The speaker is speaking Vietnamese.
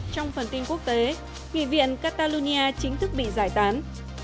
trong phần tin quốc tế nghị viện catalonia chính thức bị giải tán